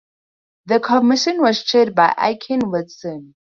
The Commission was chaired by Aiken Watson.